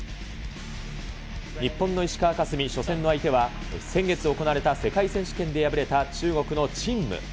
日本の石川佳純、初戦の相手は、先月行われた世界選手権で破れた中国の陳夢。